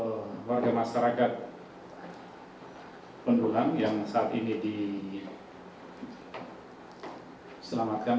untuk warga masyarakat pendulang yang saat ini diselamatkan